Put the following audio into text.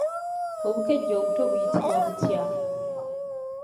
Obukejje obuto buyitibwa butya?